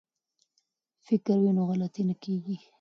که فکر وي نو غلطي نه کیږي.